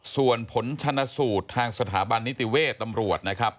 ส่วนผลชนสูตรทางสถาบันนิติเวศตำรวจนะครับ